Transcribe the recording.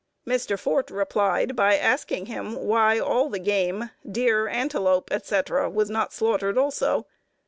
Mr. Fort replied by asking him why all the game deer, antelope, etc. was not slaughtered also.